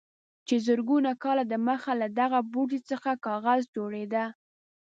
چې زرګونه کاله دمخه له دغه بوټي څخه کاغذ جوړېده.